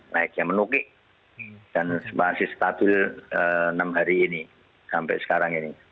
naiknya menukik dan masih stabil enam hari ini sampai sekarang ini